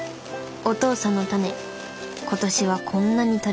お父さんのタネ今年はこんなにとれました。